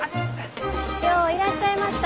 よういらっしゃいました。